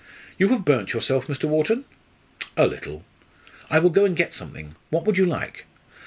"You have burnt yourself, Mr. Wharton?" "A little." "I will go and get something what would you like?"